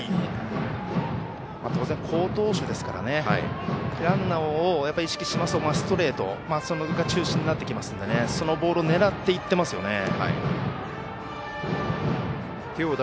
当然、好投手ですからランナーを意識しますとストレートが中心になりますからそのボールを狙っていってますよ。